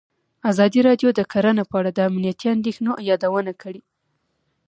ازادي راډیو د کرهنه په اړه د امنیتي اندېښنو یادونه کړې.